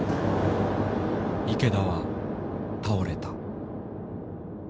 池田は倒れた。